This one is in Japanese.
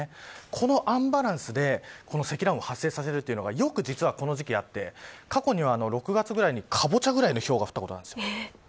このアンバランスで積乱雲を発生させるというのがこの時期によくあって、過去には６月にかぼちゃぐらいのひょうが降ったことがあります。